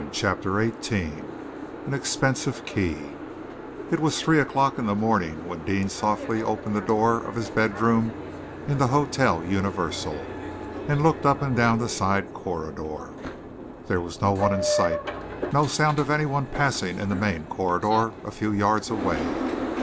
CHAPTER XVIII AN EXPENSIVE KEY It was three o'clock in the morning when Deane softly opened the door of his bedroom in the Hotel Universal, and looked up and down the side corridor. There was no one in sight, no sound of any one passing in the main corridor, a few yards away.